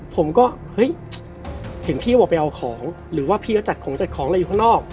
ผมก็เห้ยเห็นพี่บอกไปเอาของหรือพี่จัดของอะไรอยู่ข้างนอก